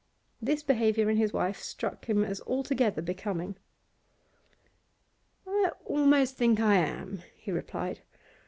This behaviour in his wife struck him as altogether becoming. 'I almost think I am,' he replied.